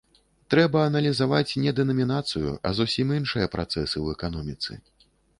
Трэба аналізаваць не дэнамінацыю, а зусім іншыя працэсы ў эканоміцы.